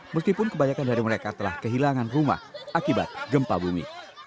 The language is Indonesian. meskipun kebanyakan dari mereka telah kehilangan rumah akibat gempa bumi